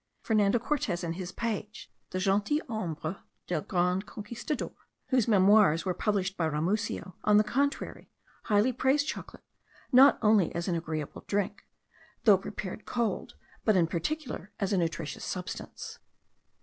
Fernando Cortez and his page, the gentilhombre del gran Conquistador, whose memoirs were published by Ramusio, on the contrary, highly praise chocolate, not only as an agreeable drink, though prepared cold,* but in particular as a nutritious substance.